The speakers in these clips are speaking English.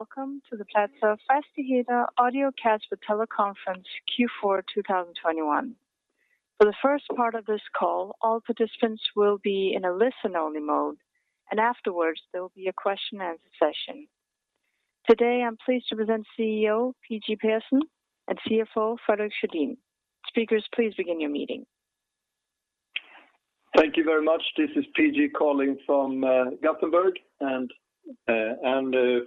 Welcome to the Platzer Fastigheter Audio Catch with Teleconference Q4 2021. For the first part of this call, all participants will be in a listen-only mode, and afterwards, there will be a question-and-answer session. Today, I'm pleased to present CEO, P-G Persson and CFO, Fredrik Sjödin. Speakers, please begin your meeting. Thank you very much. This is PG calling from Gothenburg and Fredrik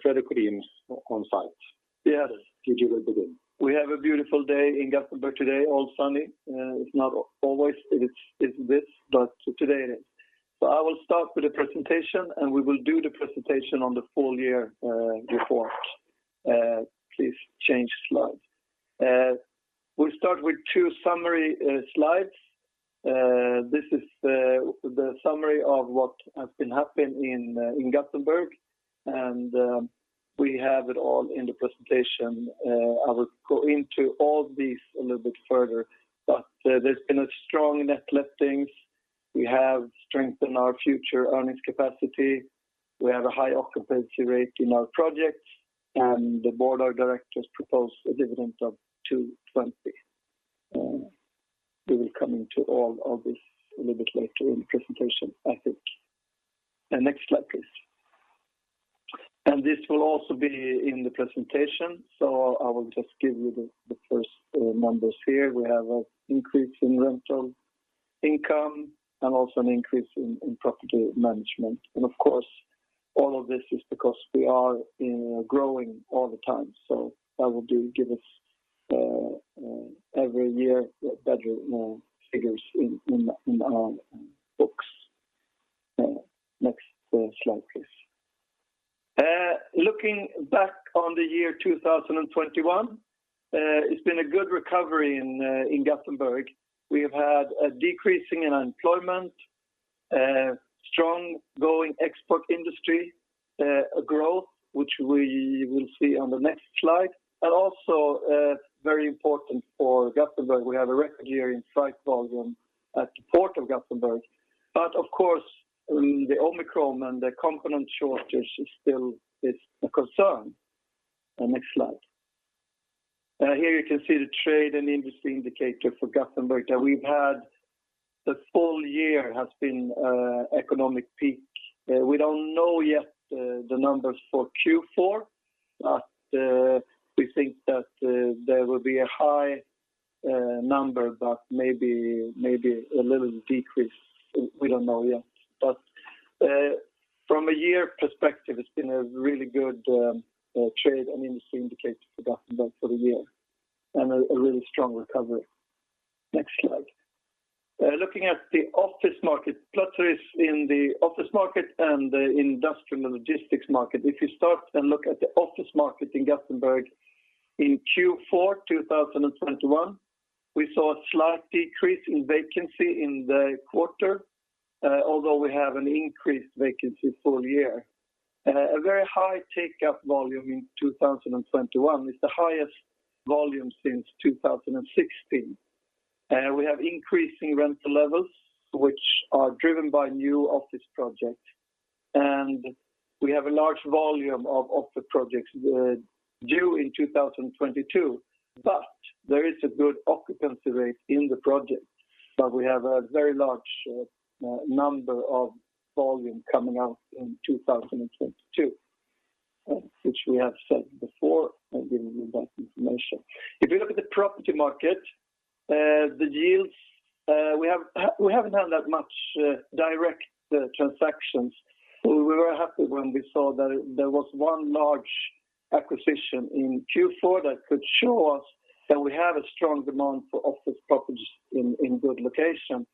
Sjödin on site. Yes. P.G. will begin. We have a beautiful day in Gothenburg today, all sunny. It's not always this, but today it is. I will start with the presentation, and we will do the presentation on the full-year report. Please change slide. We start with two summary slides. This is the summary of what has been happening in Gothenburg, and we have it all in the presentation. I will go into all these a little bit further, but there's been a strong net lettings. We have strength in our future earnings capacity. We have a high occupancy rate in our projects, and the board of directors proposed a dividend of 2.20. We will come into all of this a little bit later in the presentation, I think. Next slide, please. This will also be in the presentation, so I will just give you the first numbers here. We have an increase in rental income and also an increase in property management. Of course, all of this is because we are, you know, growing all the time. That will give us every year better figures in our books. Next slide, please. Looking back on the year 2021, it's been a good recovery in Gothenburg. We have had a decrease in unemployment, strongly growing export industry, a growth which we will see on the next slide. Also, very important for Gothenburg, we have a record year in freight volume at the Port of Gothenburg. Of course, the Omicron and the component shortage is still a concern. Next slide. Here you can see the trade and industry indicator for Gothenburg that we've had the full year has been an economic peak. We don't know yet the numbers for Q4, but we think that there will be a high number but maybe a little decrease. We don't know yet. From a year perspective, it's been a really good trade and industry indicator for Gothenburg for the year and a really strong recovery. Next slide. Looking at the office market. Platzer is in the office market and the industrial and logistics market. If you start and look at the office market in Gothenburg in Q4 2021, we saw a slight decrease in vacancy in the quarter, although we have an increased vacancy full year. A very high take-up volume in 2021. It's the highest volume since 2016. We have increasing rental levels, which are driven by new office projects. We have a large volume of office projects due in 2022, but there is a good occupancy rate in the projects. We have a very large number of volume coming out in 2022, which we have said before and given you that information. If you look at the property market, the yields, we haven't had that much direct transactions. We were happy when we saw that there was one large acquisition in Q4 that could show us that we have a strong demand for office properties in good location.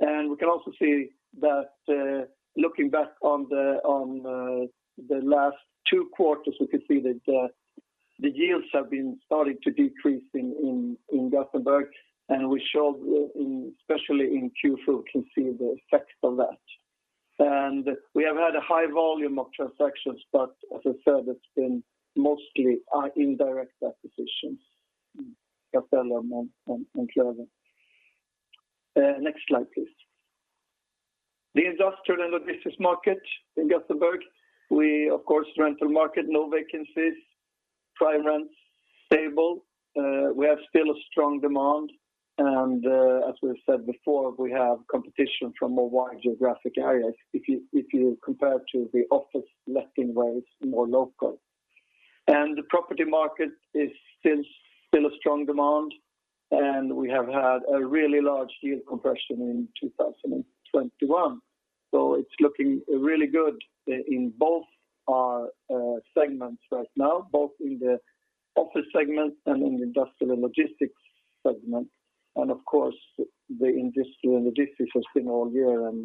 We can also see that, looking back on the last two quarters, we can see that the yields have been starting to decrease in Gothenburg, especially in Q4, we can see the effects of that. We have had a high volume of transactions, but as I said, it's been mostly indirect acquisitions in Castellum and Klövern. Next slide, please. The industrial and logistics market in Gothenburg. Of course, rental market, no vacancies. Prime rents stable. We have still a strong demand and, as we've said before, we have competition from a wide geographic areas if you compare to the office letting where it's more local. The property market is still a strong demand, and we have had a really large yield compression in 2021. It's looking really good in both our segments right now, both in the office segment and in the industrial logistics segment. Of course, the industrial and logistics has been all year and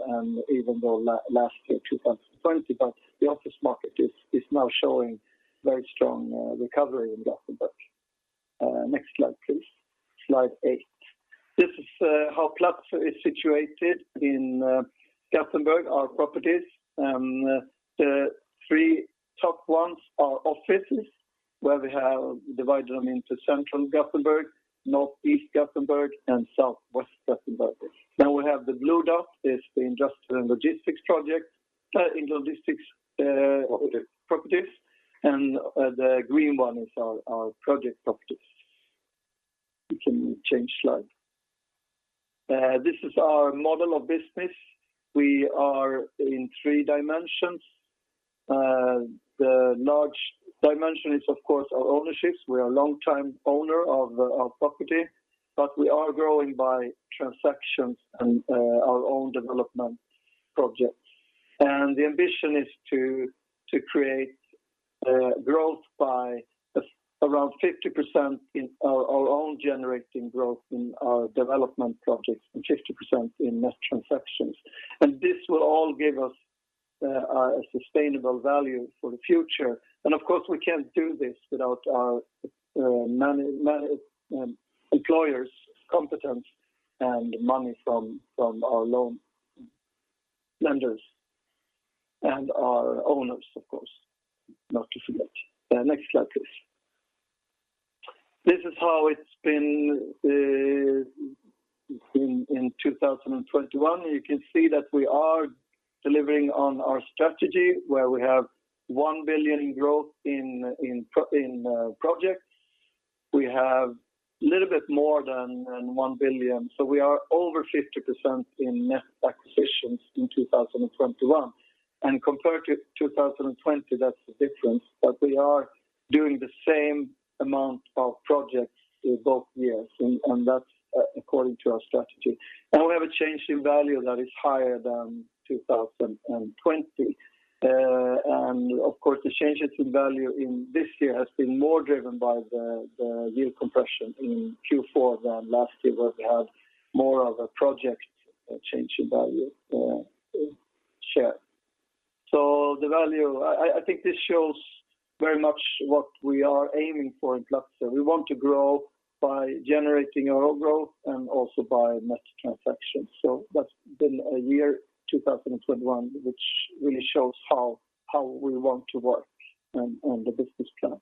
even the last year, 2020, but the office market is now showing very strong recovery in Gothenburg. Next slide, please. Slide 8. This is how Platzer is situated in Gothenburg, our properties. The three top ones are offices, where we have divided them into Central Gothenburg, Northeast Gothenburg, and Southwest Gothenburg. Now we have the blue dot is the industrial and logistics project in logistics properties, and the green one is our project properties. You can change slide. This is our model of business. We are in three dimensions. The large dimension is, of course, our ownership. We are long-time owner of our property, but we are growing by transactions and our own development projects. The ambition is to create growth by around 50% in our own generating growth in our development projects and 50% in net transactions. This will all give us a sustainable value for the future. Of course, we can't do this without our management, employees, competence, and money from our loan lenders, and our owners, of course, not to forget. Next slide, please. This is how it's been in 2021. You can see that we are delivering on our strategy where we have 1 billion growth in projects. We have a little bit more than 1 billion. We are over 50% in net acquisitions in 2021. Compared to 2020, that's the difference. We are doing the same amount of projects in both years, and that's according to our strategy. Now we have a change in value that is higher than 2020. Of course, the changes in value in this year has been more driven by the yield compression in Q4 than last year, where we had more of a project change in value share. The value, I think this shows very much what we are aiming for in Klövern. We want to grow by generating our own growth and also by net transactions. That's been a year, 2021, which really shows how we want to work on the business plan.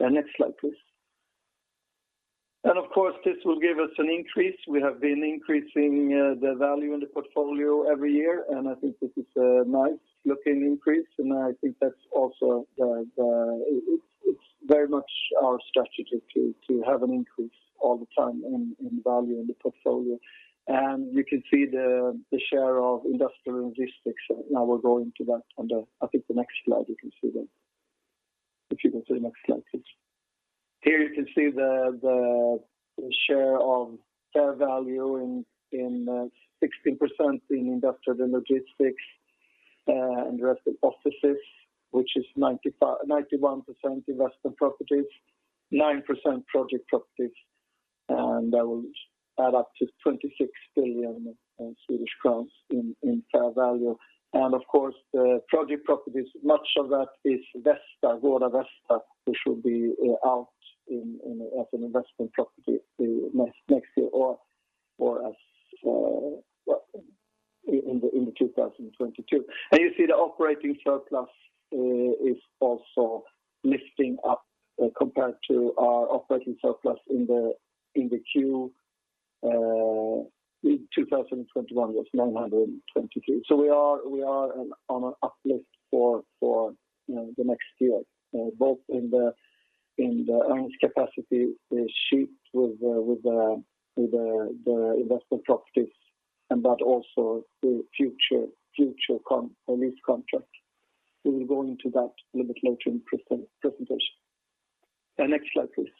Next slide, please. Of course, this will give us an increase. We have been increasing the value in the portfolio every year, and I think this is a nice looking increase. I think that's also the... It's very much our strategy to have an increase all the time in value in the portfolio. You can see the share of industrial logistics. Now we're going to that. I think the next slide, you can see that. If you can see the next slide, please. Here you can see the share of fair value in 16% in industrial and logistics, and the rest is offices, which is 91% investment properties, 9% project properties, and that will add up to 26 billion Swedish crowns in fair value. Of course, the project properties, much of that is Gårda Västra, which will be out in as an investment property next year or as well in 2022. You see the operating surplus is also lifting up compared to our operating surplus in the Q in 2021 was 922. We are on an uplift for the next year both in the earnings capacity, the sheet with the investment properties, and that also the future lease contract. We will go into that a little bit later in presentation. Next slide, please.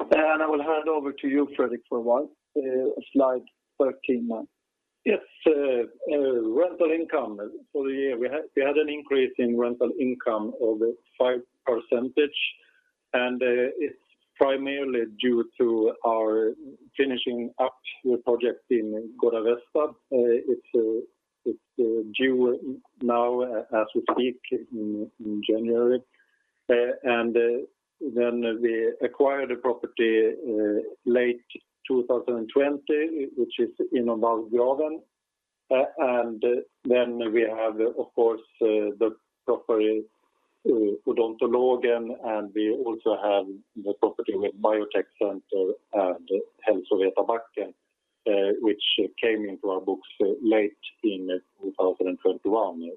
I will hand over to you, Fredrik Sjödin, for a while. Slide 13 now. Yes, rental income for the year. We had an increase in rental income of 5%, and it's primarily due to our finishing up the project in Gårda Västra. It's due now as we speak in January. Then we acquired a property late 2020, which is in Vallgraven. Then we have, of course, the property Odontologen, and we also have the property with Biotech Center and Hälsovetarbacken, which came into our books late in 2021.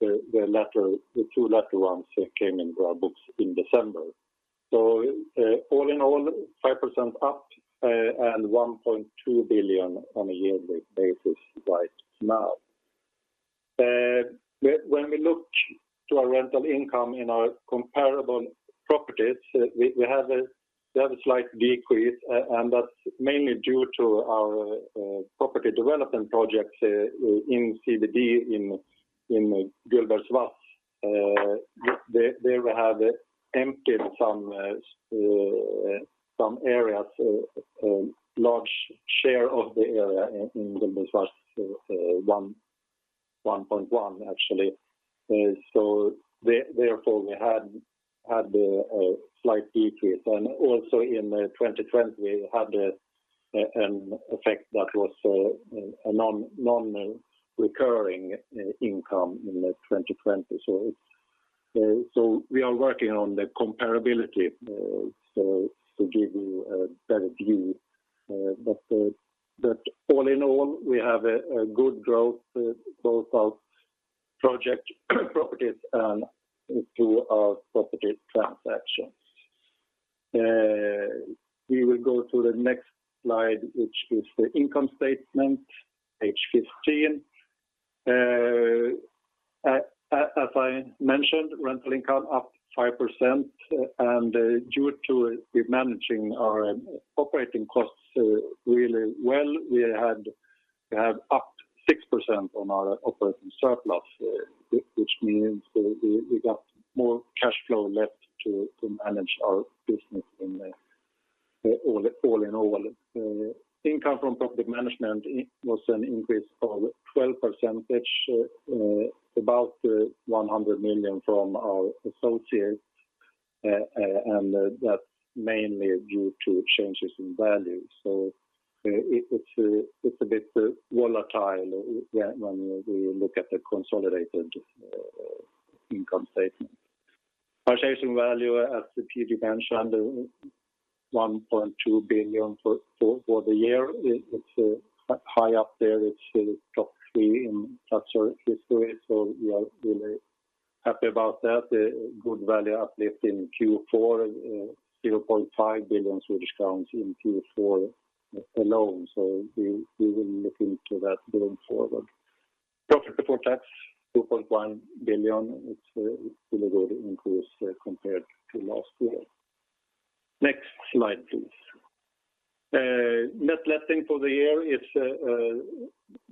The latter, the two latter ones came into our books in December. All in all, 5% up, and 1.2 billion on a yearly basis right now. When we look to our rental income in our comparable properties, we have a slight decrease, and that's mainly due to our property development projects in CBD in Gullbergsvass. There we have emptied some areas, large share of the area in Gullbergsvass 1:1 actually. Therefore, we had a slight decrease and also in 2020 we had an effect that was a non-recurring income in 2020. We are working on the comparability to give you a better view. All in all, we have a good growth both of project properties and through our property transactions. We will go to the next slide, which is the income statement, page 15. As I mentioned, rental income up 5%, and due to we're managing our operating costs really well, we had, we have up 6% on our operating surplus, which means we got more cash flow left to manage our business in all in all. Income from property management was an increase of 12%, about 100 million from our associates. And that's mainly due to changes in value. It's a bit volatile when we look at the consolidated income statement. Realization value, as PG mentioned, 1.2 billion for the year. It's high up there. It's top three in Platzer history, so we are really happy about that. A good value uplift in Q4, 0.5 billion Swedish crowns in Q4 alone. We will look into that going forward. Profit before tax, 2.1 billion. It's really good increase compared to last year. Next slide, please. Net letting for the year is a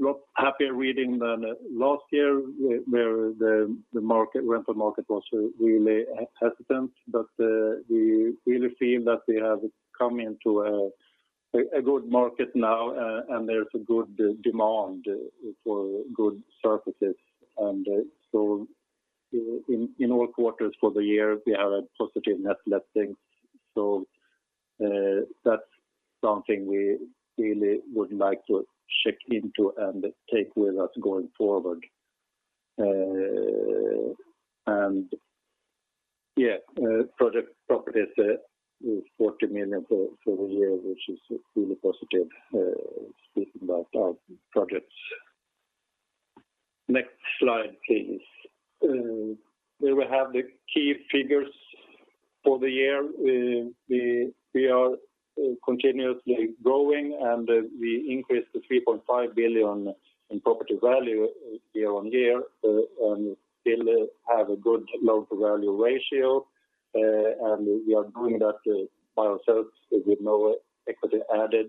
lot happier reading than last year where the market rental market was really hesitant. We really feel that we have come into a good market now, and there's a good demand for good surfaces. In all quarters for the year, we have a positive net letting. That's something we really would like to check into and take with us going forward. Yeah, project properties was 40 million for the year, which is really positive, speaking about our projects. Next slide, please. Here we have the key figures for the year. We are continuously growing, and we increased to 3.5 billion in property value year-on-year, and still have a good loan-to-value ratio. We are doing that by ourselves with no equity added.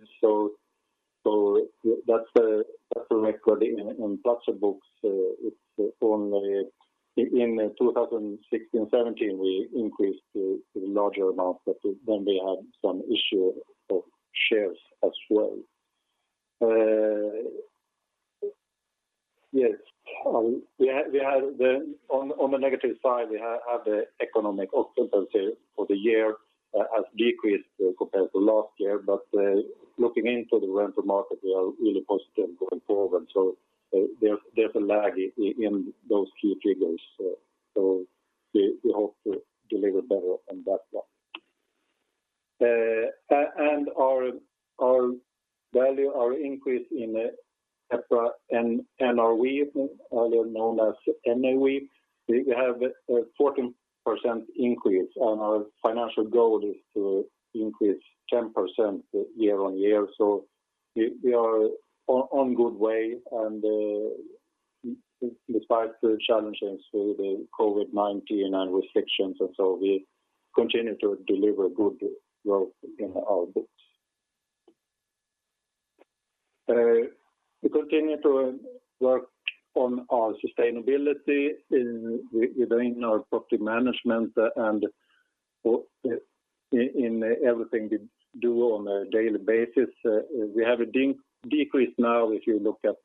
That's a record in Platzer books. It's only in 2016, 2017, we increased a larger amount, but then we had some issue of shares as well. Yes. On the negative side, we had the economic occupancy for the year has decreased compared to last year. Looking into the rental market, we are really positive going forward. There's a lag in those key figures. We hope to deliver better on that one. And our value, our increase in EPRA NRV, earlier known as NAV, we have a 14% increase, and our financial goal is to increase 10% year-on-year. We are on good way and despite the challenges with the COVID-19 and restrictions, we continue to deliver good growth in our books. We continue to work on our sustainability within our property management and in everything we do on a daily basis. We have a decrease now if you look at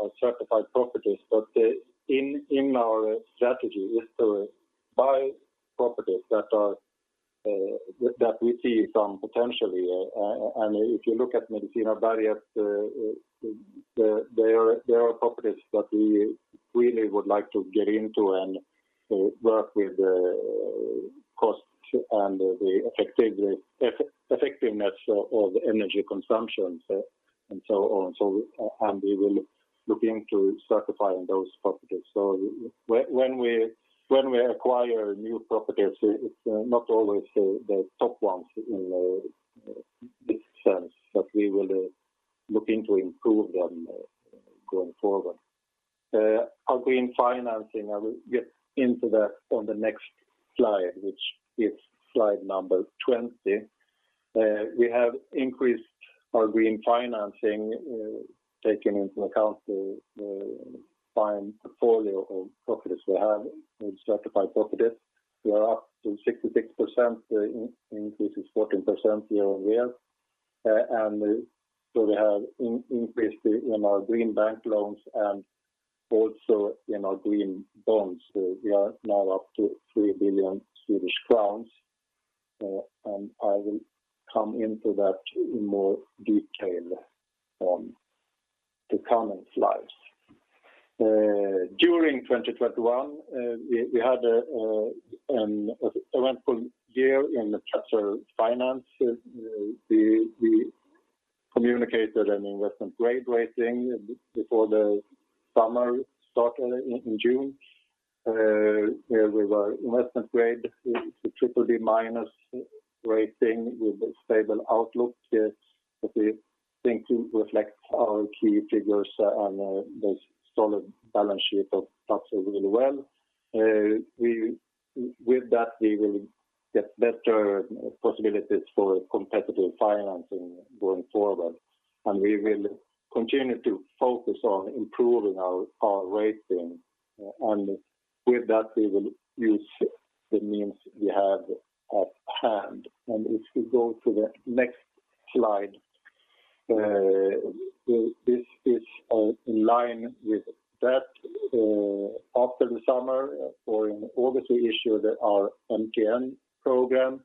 our certified properties. Our strategy is to buy properties that we see some potential. If you look at Medicinareberget, there are properties that we really would like to get into and work with costs and the effectiveness of energy consumption, and so on. We will look into certifying those properties. When we acquire new properties, it's not always the top ones in this sense, but we will look to improve them going forward. Our green financing, I will get into that on the next slide, which is slide number 20. We have increased our green financing, taking into account the entire portfolio of properties we have with certified properties. We are up to 66%. Increase is 14% year-on-year. We have increased our green bank loans and Also in our green bonds, we are now up to 3 billion Swedish crowns. I will come into that in more detail on the coming slides. During 2021, we had an eventful year in the Platzer finance. We communicated an investment grade rating before the summer started in June, where we were investment grade with the BBB- rating with a stable outlook that we think reflects our key figures on the solid balance sheet of Platzer really well. With that, we will get better possibilities for competitive financing going forward, and we will continue to focus on improving our rating, and with that, we will use the means we have at hand. If we go to the next slide, this is in line with that. After the summer or in August, we issued our MTN program,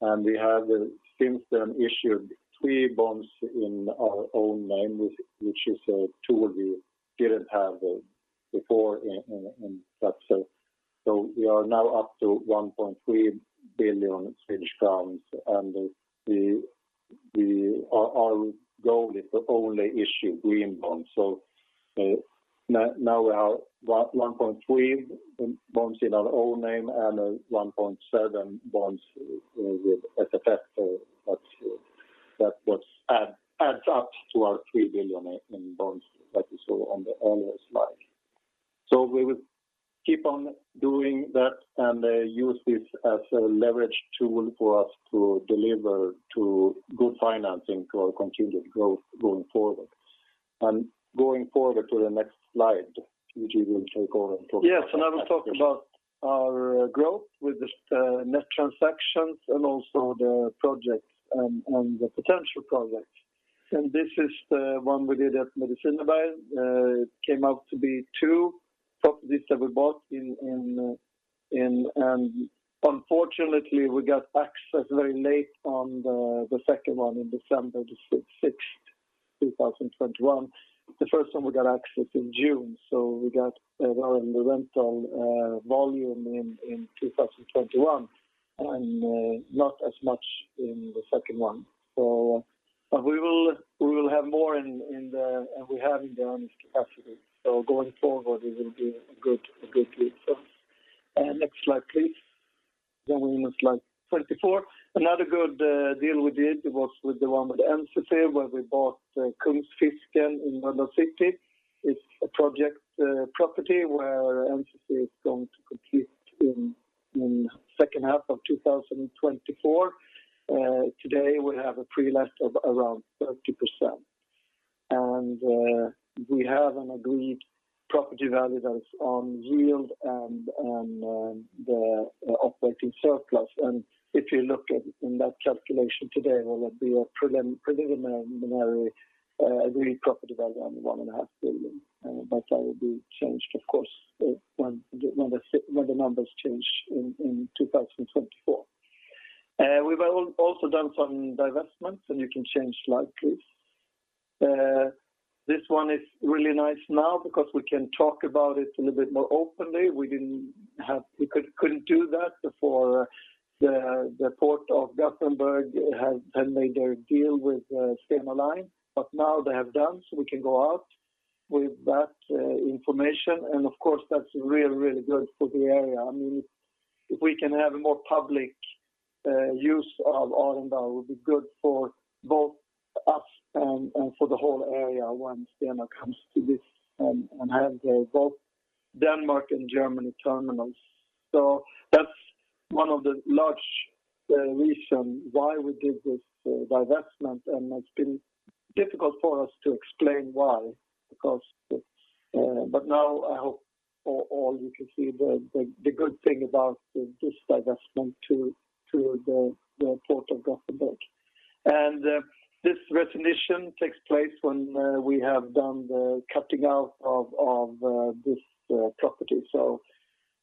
and we have since then issued three bonds in our own name, which is a tool we didn't have before in Trezor. We are now up to 1.3 billion Swedish crowns, and our goal is to only issue green bonds. Now we are 1.3 billion in bonds in our own name and 1.7 billion bonds with SFF. That's what adds up to our 3 billion in bonds that you saw on the earlier slide. We will keep on doing that and use this as a leverage tool for us to deliver good financing for our continued growth going forward. Going forward to the next slide, which you will take over and talk about. Yes, I will talk about our growth with this net transactions and also the projects and the potential projects. This is the one we did at Medicinareberget. It came out to be two properties that we bought in unfortunately, we got access very late on the second one in December 6, 2021. The first one we got access in June, so we got the rental volume in 2021 and not as much in the second one. But we will have more and we have the capacity. Going forward, it will be a good lead for us. Next slide, please. We're in slide 24. Another good deal we did was with the one with NCC, where we bought Kungsfisken in Gårda. It's a project property where NCC is going to complete in second half of 2024. Today we have a pre-let of around 30%. We have an agreed property value that's on yield and the operating surplus. If you look at in that calculation today, well, that'd be a preliminary agreed property value on SEK 1.5 billion. But that will be changed, of course, when the numbers change in 2024. We've also done some divestments, and you can change slide, please. This one is really nice now because we can talk about it a little bit more openly. We couldn't do that before the Port of Gothenburg had made their deal with Stena Line. Now they have done, so we can go out with that information. Of course, that's really good for the area. I mean, if we can have a more public use of Arendal, it would be good for both us and for the whole area when Stena comes to this and have their both Denmark and Germany terminals. That's one of the large reason why we did this divestment, and it's been difficult for us to explain why because. Now I hope all you can see the good thing about this divestment to the Port of Gothenburg. This recognition takes place when we have done the carving out of this property.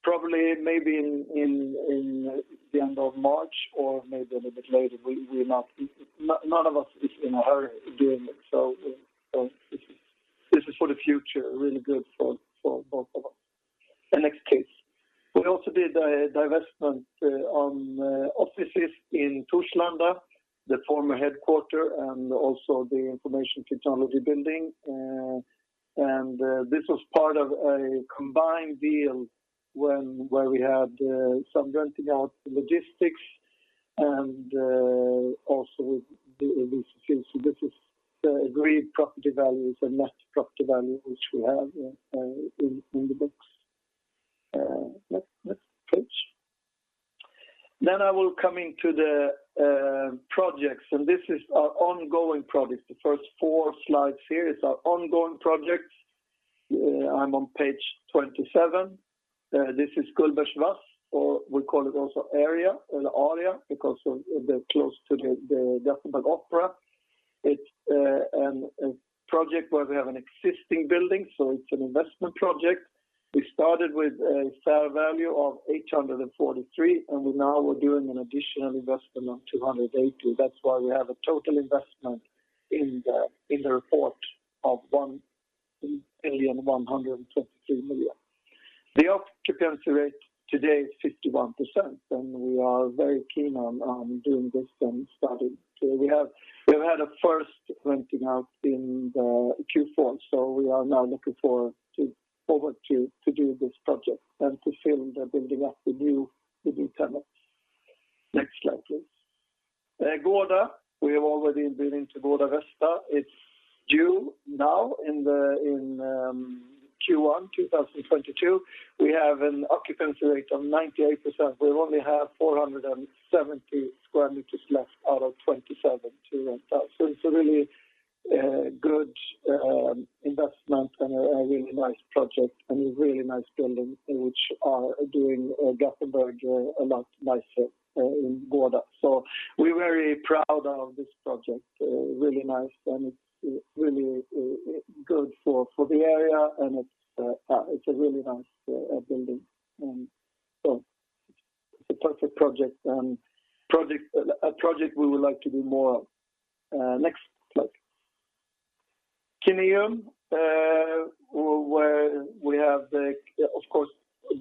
Probably maybe in the end of March or maybe a little bit later. None of us is in a hurry doing it. This is for the future, really good for both of us. Next, please. We also did a divestment on offices in Torslanda, the former headquarters, and also the information technology building. This was part of a combined deal where we had some renting out logistics and also the agreed property values and net property value which we have in the books. Next page. I will come into the projects, and this is our ongoing projects. The first four slides here is our ongoing projects. I'm on page 27. This is Gullbergsvass, or we call it also Aria because of the close to the Gothenburg Opera. It's a project where we have an existing building, so it's an investment project. We started with a fair value of 843 million, and now we're doing an additional investment of 280 million. That's why we have a total investment in the report of 1,123 million. The occupancy rate today is 51%, and we are very keen on doing this and starting. We have had a first renting out in the Q4, so we are now looking forward to doing this project and to fill the building up with new tenants. Next slide, please. Gårda, we have already been into Gårda Västra. It's June now in Q1 2022. We have an occupancy rate of 98%. We only have 470 sq m left out of 27 to rent out. It's a really good investment and a really nice project and a really nice building which are doing Gothenburg a lot nicer in Gårda. We're very proud of this project, really nice, and it's really good for the area, and it's a really nice building. It's a perfect project, a project we would like to do more of. Next slide. Kineum, where we have, of course,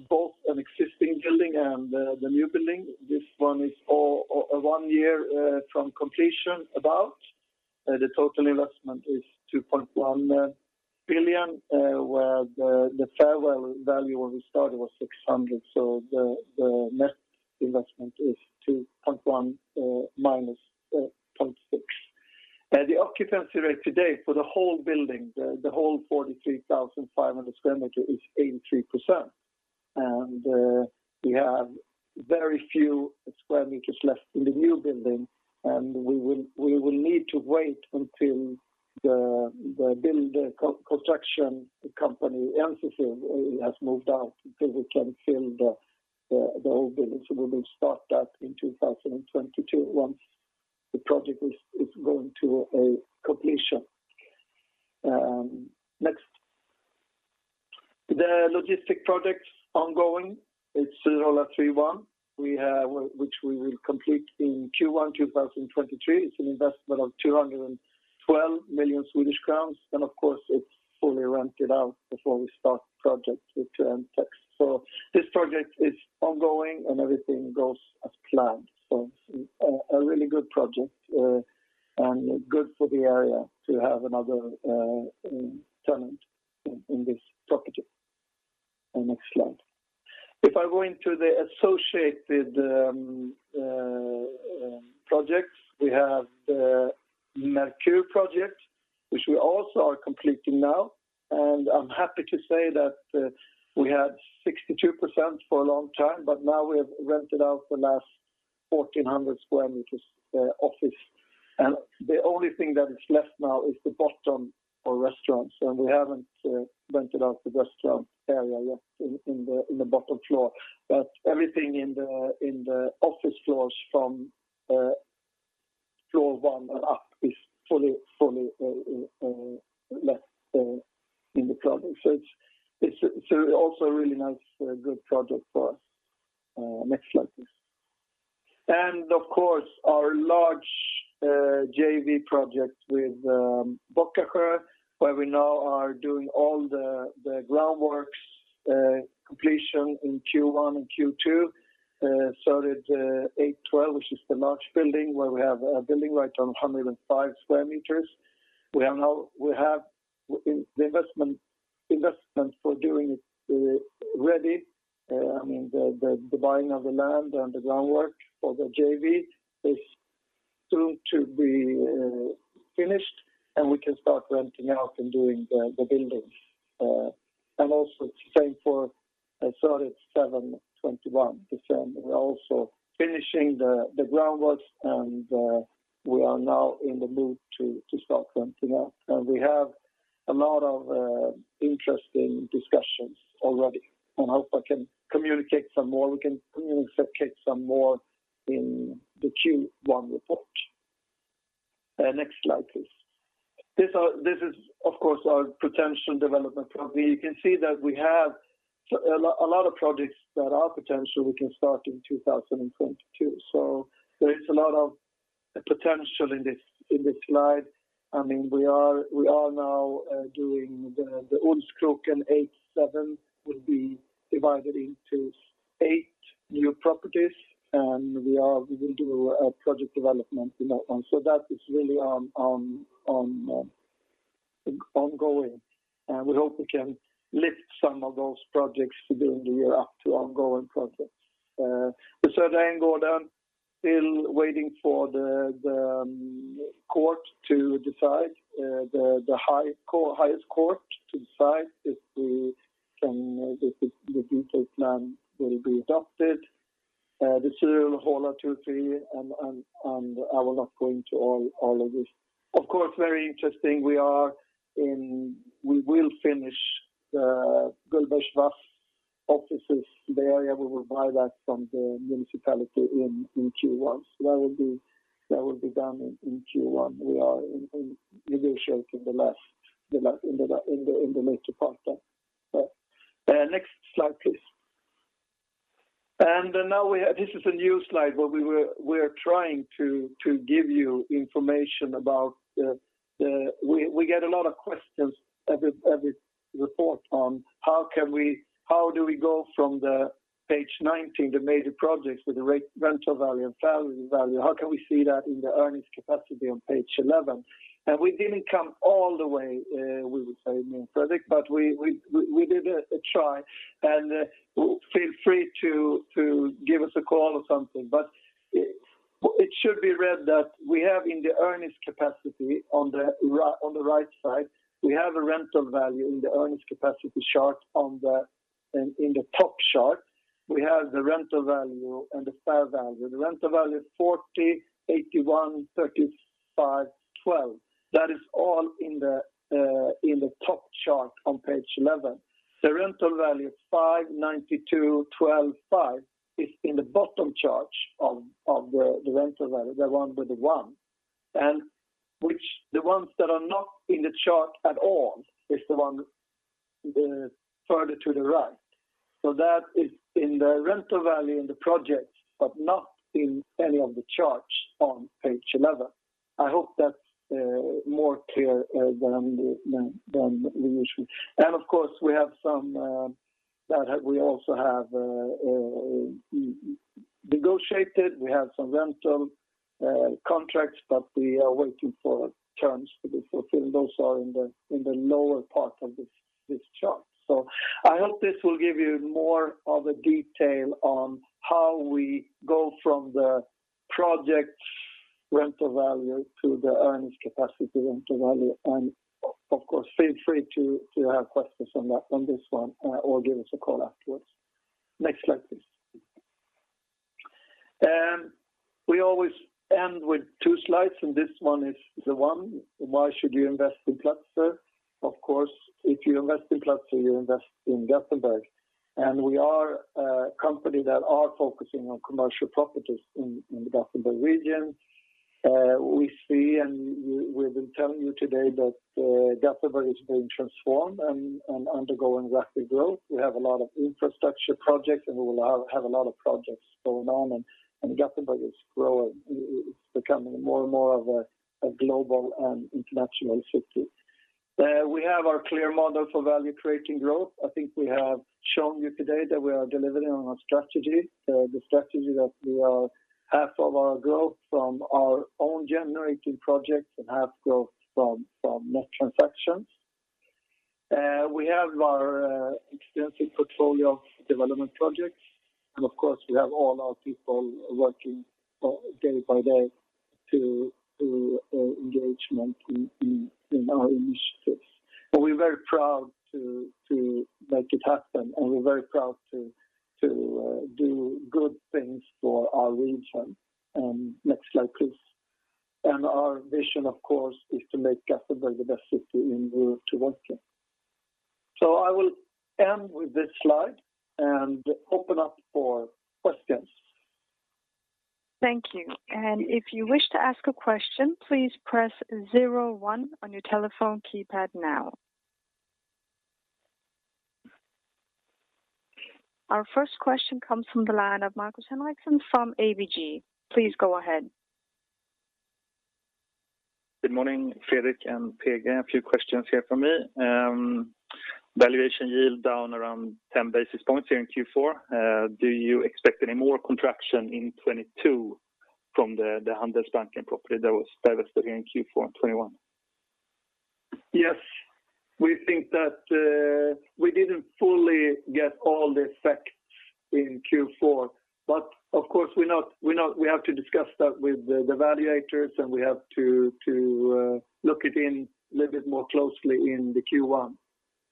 both an existing building and the new building. This one is one year from completion about. The total investment is 2.1 billion, where the fair value when we started was 600 million. The net investment is 2.1 billion minus 0.6 billion. The occupancy rate today for the whole building, the whole 43,500 sq m is 83%. We have very few square meters left in the new building, and we will need to wait until the construction company, NCC, has moved out until we can fill the whole building. We will start that in 2022 once the project is going to completion. Next. The logistics projects ongoing, it's Tyröla 3-1. Which we will complete in Q1 2023. It's an investment of 212 million Swedish crowns, and of course, it's fully rented out before we start project with Mtech. This project is ongoing, and everything goes as planned. Really good project, and good for the area to have another tenant in this property. Next slide. If I go into the associated projects, we have the Mercur project, which we also are completing now. I'm happy to say that we had 62% for a long time, but now we have rented out the last 1,400 sq m office. The only thing that is left now is the bottom for restaurants, and we haven't rented out the restaurant area yet in the bottom floor. Everything in the office floors from floor 1 and up is fully let in the project. It's also a really nice good project for us. Next slide, please. Of course, our large JV project with Bockasjö, where we now are doing all the groundworks, completion in Q1 and Q2. Started 812, which is the large building where we have a building right on 105 sq m. We have now the investment for doing it ready. The buying of the land and the groundwork for the JV is soon to be finished, and we can start renting out and doing the buildings. Also same for, I think it's 72.1%. We're also finishing the groundworks, and we are now in the mood to start renting out. We have a lot of interesting discussions already. I hope we can communicate some more in the Q1 report. Next slide, please. This is, of course, our potential development project. You can see that we have a lot of projects that are potential we can start in 2022. There is a lot of potential in this slide. I mean, we are now doing the Olskroken 87 will be divided into eight new properties, and we will do a project development in that one. That is really ongoing. We hope we can lift some of those projects during the year up to ongoing projects. The Södra Änggården still waiting for the Supreme Court to decide if the detailed plan will be adopted. The Tyröla 2-3, I will not go into all of this. Of course, very interesting we will finish the Gullbergsvass Offices, the area we will buy back from the municipality in Q1. So that will be done in Q1. We are negotiating the latter part there. Next slide, please. Now this is a new slide where we're trying to give you information about the... We get a lot of questions every report on how do we go from page 19, the major projects with the rental value and fair value? How can we see that in the earnings capacity on page 11? We didn't come all the way, we would say, me and Fredrik, but we did a try. Feel free to give us a call or something. It should be read that we have in the earnings capacity on the right side, we have a rental value in the earnings capacity chart in the top chart, we have the rental value and the fair value. The rental value is 40, 81, 35, 12. That is all in the top chart on page 11. The rental value of 592,125 is in the bottom chart of the rental value, the one with the one. Which the ones that are not in the chart at all is the one further to the right. That is in the rental value in the projects, but not in any of the charts on page 11. I hope that's more clear than we wish. Of course, we have some that we also have negotiated. We have some rental contracts, but we are waiting for terms to be fulfilled. Those are in the lower part of this chart. I hope this will give you more of a detail on how we go from the project rental value to the earnings capacity rental value. Of course, feel free to have questions on this one, or give us a call afterwards. Next slide, please. We always end with two slides, and this one is the one. Why should you invest in Klövern? Of course, if you invest in Klövern, you invest in Gothenburg. We are a company that are focusing on commercial properties in the Gothenburg region. We've been telling you today that Gothenburg is being transformed and undergoing rapid growth. We have a lot of infrastructure projects, and we will have a lot of projects going on. Gothenburg is growing. It's becoming more and more of a global and international city. We have our clear model for value-creating growth. I think we have shown you today that we are delivering on our strategy. The strategy that we are half of our growth from our own generating projects and half growth from net transactions. We have our extensive portfolio of development projects. Of course, we have all our people working day by day to engage in our initiatives. We're very proud to make it happen, and we're very proud to do good things for our region. Next slide, please. Our vision, of course, is to make Gothenburg the best city in the world to work in. I will end with this slide and open up for questions. Thank you. If you wish to ask a question, please press zero one on your telephone keypad now. Our first question comes from the line of Markus Henriksson from ABG. Please go ahead. Good morning, Fredrik and PG. A few questions here from me. Valuation yield down around 10 basis points here in Q4. Do you expect any more contraction in 2022 from the Handelsbanken property that was divested here in Q4 in 2021? Yes. We think that we didn't fully get all the effects in Q4. Of course, we know we have to discuss that with the valuators, and we have to look into it a little bit more closely in the Q1.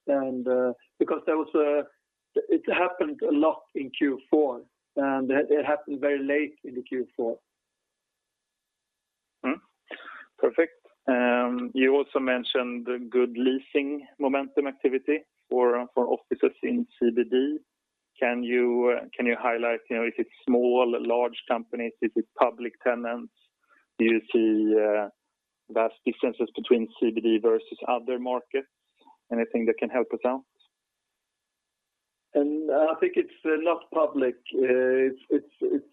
Because it happened a lot in Q4, and it happened very late in the Q4. Mm-hmm. Perfect. You also mentioned the good leasing momentum activity for offices in CBD. Can you highlight, you know, if it's small, large companies? Is it public tenants? Do you see vast differences between CBD versus other markets? Anything that can help us out? I think it's not public. It's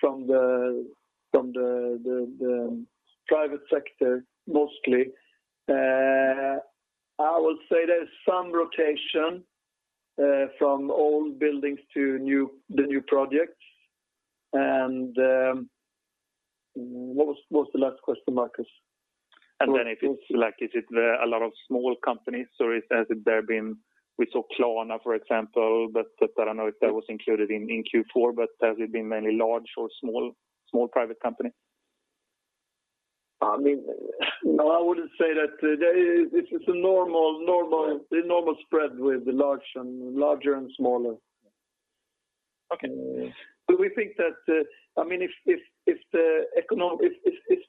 from the private sector mostly. I would say there's some rotation from old buildings to new projects. What was the last question, Marcus? If it's like, is it a lot of small companies? Has there been? We saw Klarna, for example, but I don't know if that was included in Q4. Has it been mainly large or small private companies? I mean, no, I wouldn't say that. It's a normal spread with the large and larger and smaller. Okay. We think that, I mean, if it's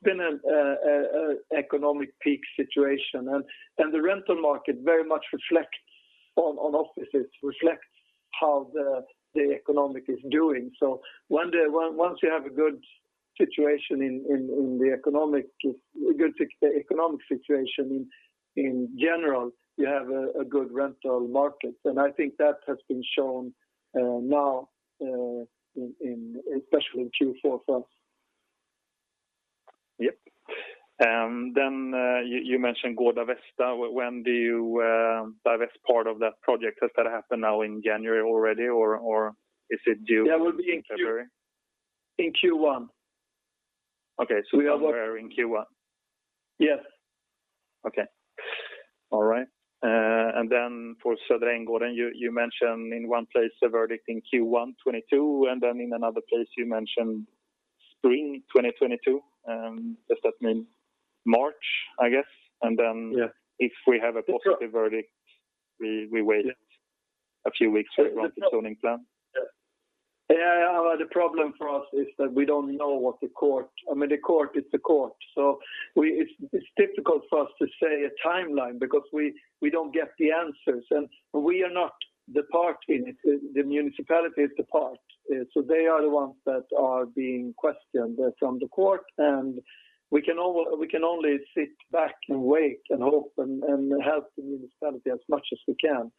been an economic peak situation and the rental market very much reflects on offices, reflects how the economic is doing. Once you have a good economic situation in general, you have a good rental market. I think that has been shown now, especially in Q4 for us. Yep. You mentioned Gårda Västra. When do you divest part of that project? Has that happened now in January already or is it due in February? That will be in Q1. Okay. We are work- Somewhere in Q1? Yes. Okay. All right. For Södra Änggården, you mentioned in one place a verdict in Q1 2022, and then in another place you mentioned spring 2022. Does that mean March, I guess? Yeah. If we have a positive verdict, we wait a few weeks to run the zoning plan. The problem for us is that we don't know what the court is. I mean, the court is the court. It's difficult for us to say a timeline because we don't get the answers, and we are not the party. The municipality is the party. They are the ones that are being questioned from the court, and we can only sit back and wait and hope and help the municipality as much as we can.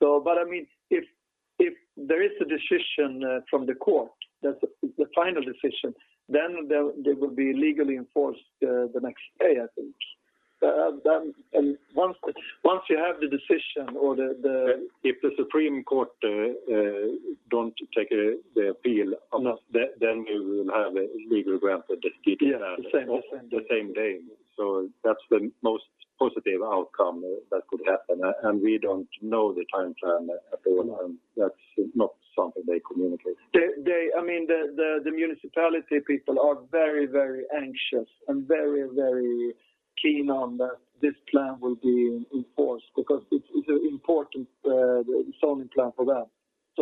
But, I mean, if there is a decision from the court, that's the final decision, then they will be legally enforced the next day, I think. Once you have the decision or the If the Supreme Court don't take the appeal. No You will have a legal ground for the city plan. Yeah, the same day. The same day. That's the most positive outcome that could happen. And we don't know the timeline at all. That's not something they communicate. I mean, the municipality people are very, very anxious and very, very keen on that this plan will be enforced because it's an important zoning plan for them.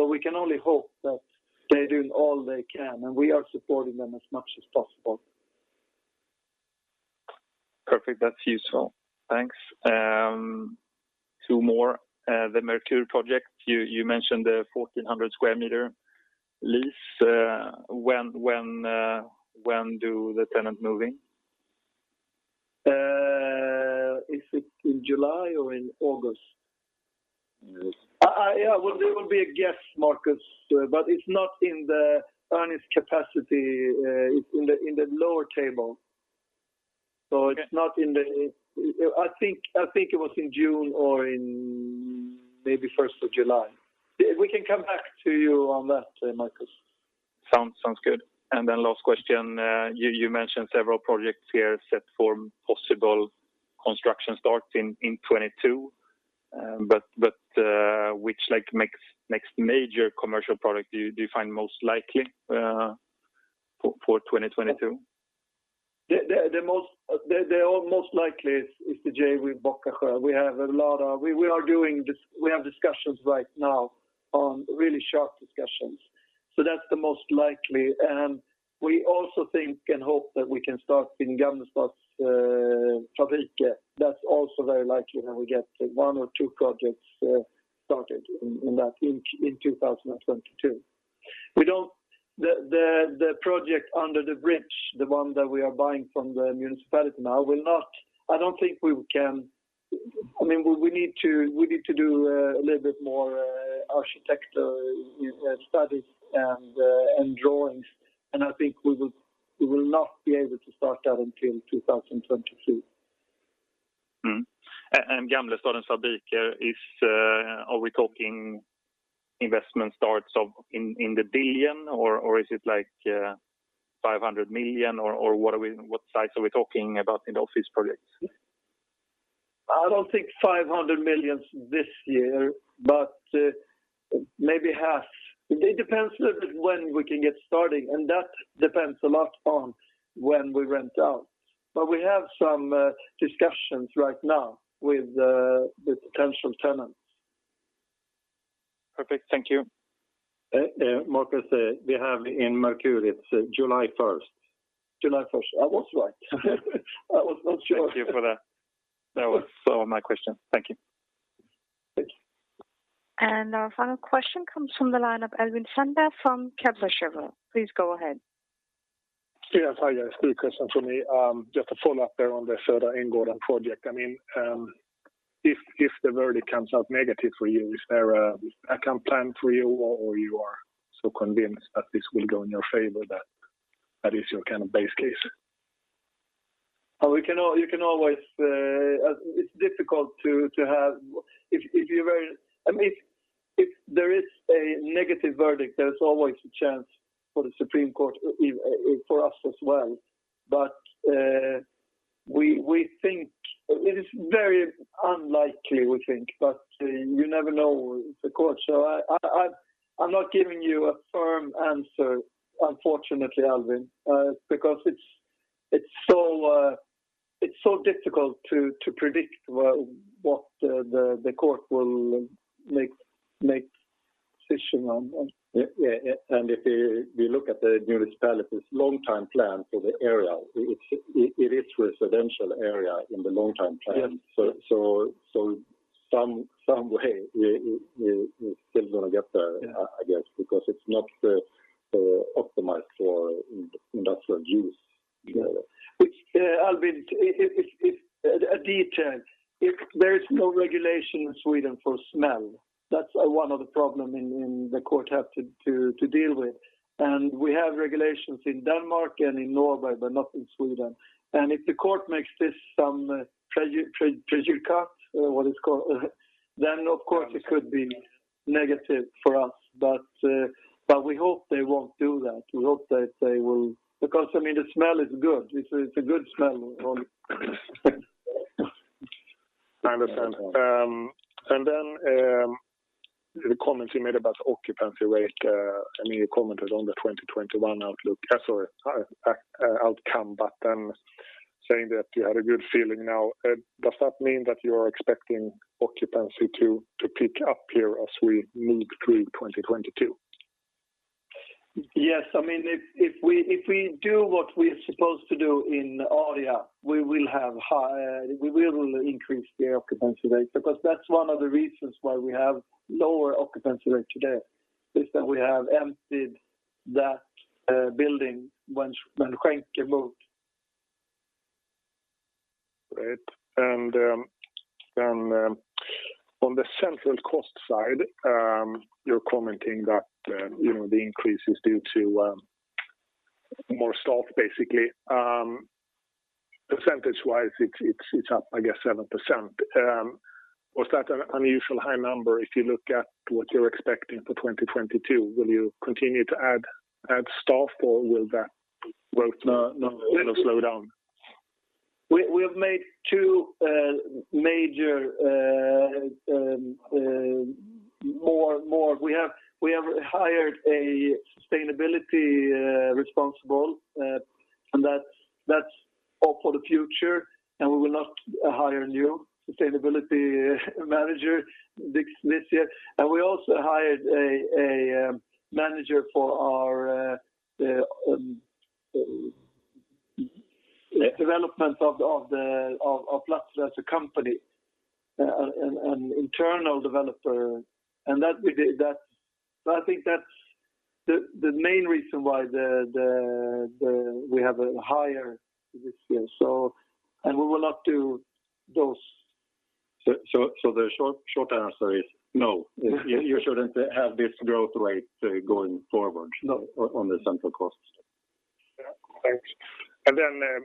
We can only hope that they're doing all they can, and we are supporting them as much as possible. Perfect. That's useful. Thanks. Two more. The Mercur project, you mentioned the 1,400 sq m lease. When do the tenant move in? Is it in July or in August? August. Yeah, well, there will be a guest, Marcus, but it's not in the analyst capacity. It's in the lower table. I think it was in June or maybe first of July. We can come back to you on that, Marcus. Sounds good. Last question. You mentioned several projects here set for possible construction start in 2022, but which, like, next major commercial project do you find most likely for 2022? The most likely is the JV Backaskog. We are doing this. We have discussions right now on really short discussions. That's the most likely. We also think and hope that we can start in Gamlestaden Fabriker. That's also very likely that we get one or two projects started in 2022. The project under the bridge, the one that we are buying from the municipality now, will not. I don't think we can. I mean, we need to do a little bit more architecture studies and drawings, and I think we will not be able to start that until 2022. Mm-hmm. Gamlestaden Fabriker, are we talking investment starts in 1 billion or is it like 500 million or what size are we talking about in office projects? I don't think 500 million this year, but maybe half. It depends when we can get started, and that depends a lot on when we rent out. We have some discussions right now with potential tenants. Perfect. Thank you. Marcus, we have in Mercur. It's July first. July first. I was right. I was not sure. Thank you for that. That was all my questions. Thank you. Thank you. Our final question comes from the line of Albin Sandberg from Kepler Cheuvreux. Please go ahead. Hi, guys. Two questions from me. Just a follow-up there on the Södra Änggården project. I mean, if the verdict comes out negative for you, is there a contingency plan for you or you are so convinced that this will go in your favor, that that is your kind of base case? Oh, you can always. It's difficult. I mean, if there is a negative verdict, there is always a chance for the Supreme Court for us as well. We think it is very unlikely, we think. You never know the court. I'm not giving you a firm answer, unfortunately, Albin, because it's so difficult to predict what the court will make decision on. Yeah. If we look at the municipality's long-term plan for the area, it is residential area in the long-term plan. Yes. Some way we still gonna get there. Yeah I guess, because it's not optimized for industrial use, you know. Albin, if it's a detail, if there is no regulation in Sweden for smell, that's one of the problem in the court have to deal with. We have regulations in Denmark and in Norway, but not in Sweden. If the court makes this some prejudikat, what it's called, then of course it could be negative for us. We hope they won't do that. We hope that they will because I mean the smell is good. It's a good smell on. I understand. The comments you made about occupancy rate, I mean, you commented on the 2021 outcome, but then saying that you had a good feeling now. Does that mean that you're expecting occupancy to pick up here as we move through 2022? Yes. I mean, if we do what we're supposed to do in Aria, we will have high, we will increase the occupancy rate because that's one of the reasons why we have lower occupancy rate today, is that we have emptied that building when Skänke moved. Right. On the central cost side, you're commenting that you know, the increase is due to more staff basically. Percentage-wise it's up I guess 7%. Was that an unusually high number if you look at what you're expecting for 2022? Will you continue to add staff or will that growth- No, no. You know, slow down? We have hired a sustainability responsible and that's all for the future, and we will not hire new sustainability manager this year. We also hired a manager for the development of Platzer as a company, an internal developer. That we did. I think that's the we have a higher this year. We will not do those. The short answer is no. You shouldn't have this growth rate going forward- No on the central costs. Yeah. Thanks.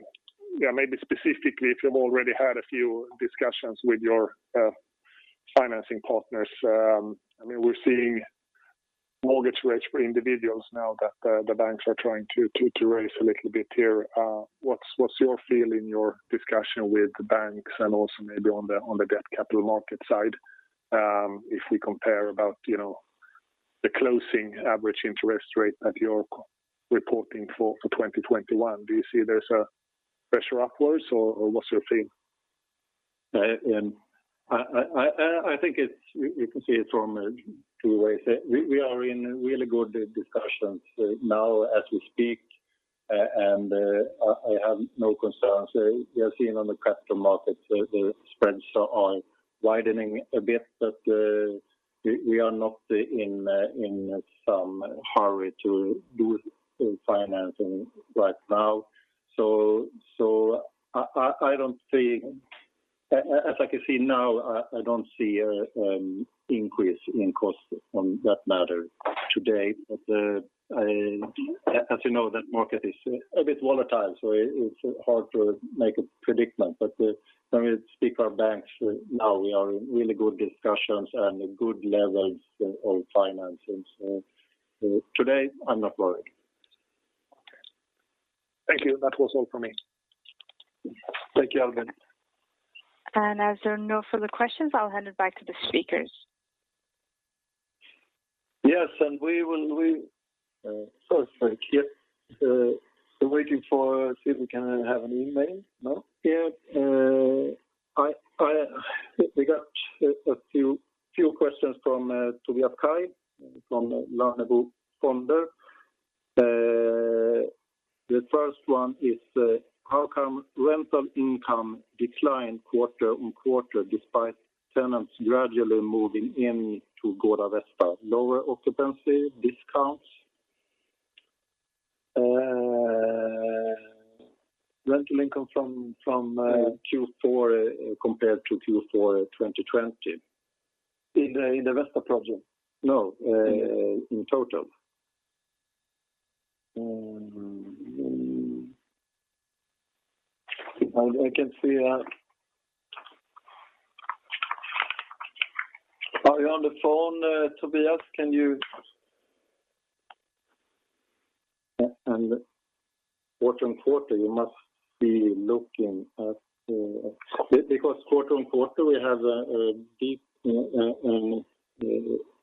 Yeah, maybe specifically if you've already had a few discussions with your financing partners, I mean, we're seeing mortgage rates for individuals now that the banks are trying to raise a little bit here. What's your feeling, your discussion with the banks and also maybe on the debt capital market side, if we compare about, you know, the closing average interest rate that you're reporting for 2021? Do you see there's a pressure upwards or what's your feeling? We can see it from two ways. We are in really good discussions now as we speak, and I have no concerns. We have seen on the capital markets the spreads are widening a bit, but we are not in a hurry to do financing right now. As I can see now, I don't see an increase in cost on that matter today. As you know, that market is a bit volatile, so it's hard to make a prediction. When we speak to our banks now, we are in really good discussions and good levels of financing. Today I'm not worried. Okay. Thank you. That was all for me. Thank you, Albin. As there are no further questions, I'll hand it back to the speakers. Yes, we will first Frank. We're waiting to see if we can have an email. No? Yeah. We got a few questions from Tobias Kaj from Lannebo Fonder. The first one is, how come rental income declined quarter-on-quarter despite tenants gradually moving in to Gårda Västra? Lower occupancy discounts? Rental income from Q4 compared to Q4 2020? In the Västra project. No, in total. I can see. Are you on the phone, Tobias? Quarter-on-quarter, you must be looking at, because quarter-on-quarter we have a deep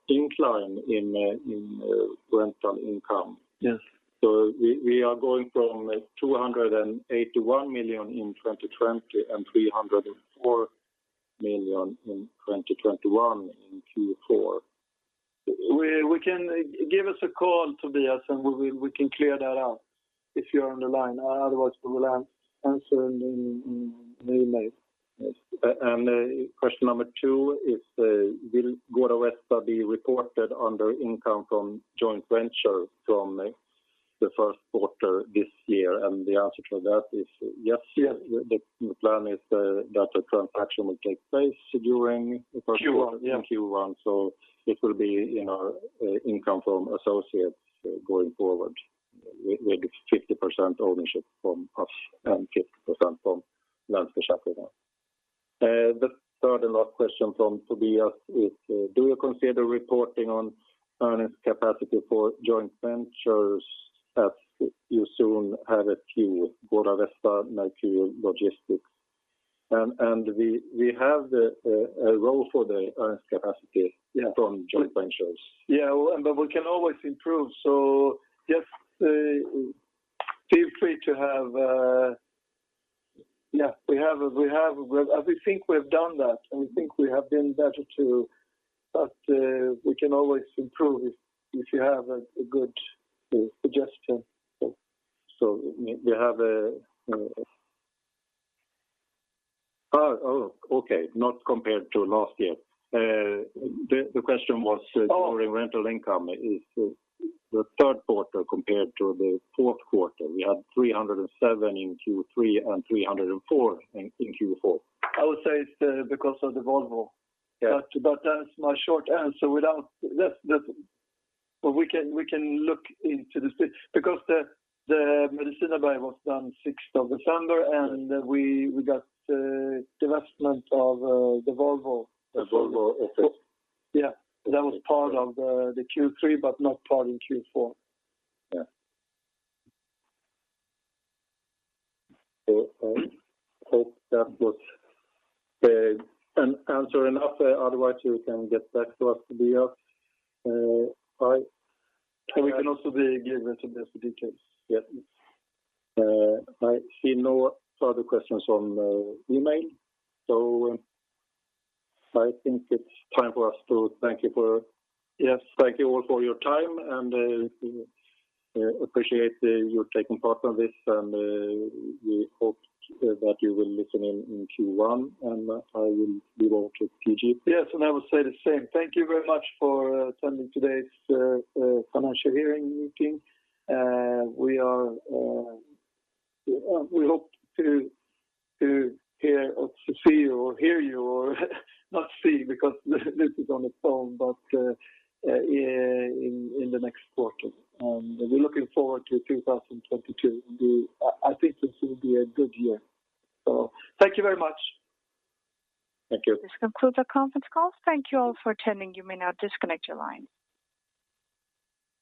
decline in rental income. Yes. We are going from 281 million in 2020 and 304 million in 2021 in Q4. Give us a call, Tobias, and we can clear that out if you're on the line. Otherwise, we will answer in email. Yes. Question number two is, will Gårda Västra be reported under income from joint venture from the first quarter this year? The answer to that is yes. Yes. The plan is that the transaction will take place during the first quarter. Q1, yeah. in Q1, so it will be in our income from associates going forward with 50% ownership from us and 50% from Landshypotek. The third and last question from Tobias is, do you consider reporting on earnings capacity for joint ventures as you soon have a few Gårda Västra, Nykvarns Logistik? And we have a role for the earnings capacity- Yeah. from joint ventures. Yeah, we can always improve. Just feel free to have. Yeah, we have. We think we have done that, and we think we have been better. We can always improve if you have a good suggestion. Oh, okay, not compared to last year. The question was- Oh. The decline in rental income from the third quarter compared to the fourth quarter. We had 307 in Q3 and 304 in Q4. I would say it's because of the Volvo. Yeah. That's my short answer. We can look into the specifics because the Medicinareberget was done 6th of December, and we got divestment of the Volvo. The Volvo office. Yeah. That was part of the Q3 but not part in Q4. Yeah. Hope that was an answer enough. Otherwise, you can get back to us, Tobias. I- We can also be giving you the details. Yeah. I see no further questions on email, so I think it's time for us to thank you for- Yes, thank you all for your time, and appreciate your taking part in this, and we hope that you will listen in on Q1, and I will hand over to P-G. Yes, I will say the same. Thank you very much for attending today's financial hearing meeting. We hope to hear or to see you or hear you or not see because this is on the phone, but yeah, in the next quarter. We're looking forward to 2022. I think this will be a good year. Thank you very much. Thank you. This concludes our conference call. Thank you all for attending. You may now disconnect your line.